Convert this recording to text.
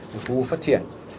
của khu phát triển